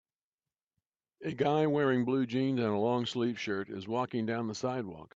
A guy wearing blue jeans and longsleeve shirt is walking down the sidewalk.